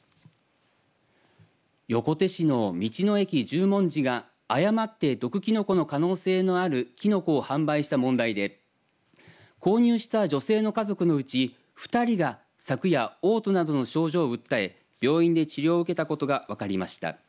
横手市の道の駅十文字が誤って毒きのこの可能性のあるきのこを販売した問題で購入した女性の家族のうち２人が昨夜おう吐などの症状を訴え病院で治療を受けたことが分かりました。